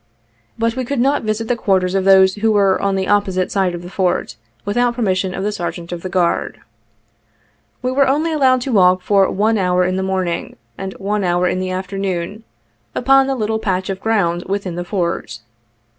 But we could not visit the quarters of those who were on the opposite side of the Fort, without per mission of the Sergeant of the Guard. We were only allowed to walk for one hour in the morning, and one hour in the afternoon, upon the little patch of ground within the Fort.